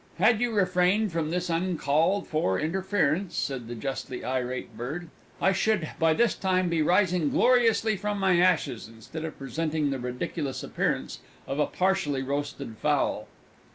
"Had you refrained from this uncalled for interference," said the justly irate Bird, "I should by this time be rising gloriously from my ashes instead of presenting the ridiculous appearance of a partially roasted Fowl!"